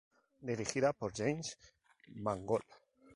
Dirigida por James Mangold.